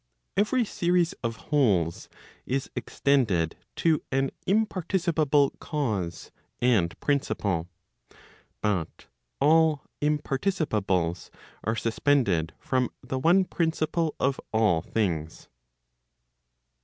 Every series of wholes is extended to an imparticipable cause and principle. But all imparticipables are suspended from the one principle of all things.